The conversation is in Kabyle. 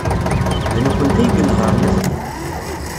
D nekkenti ay inehṛen iḍelli.